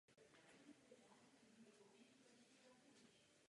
Od té doby je však společnost Adobe publikovala.